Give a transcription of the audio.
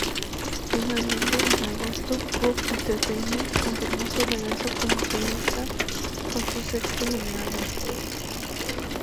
Finalmente, en agosto, Cube Entertainment confirmó su regreso como solista con su sexto mini-álbum.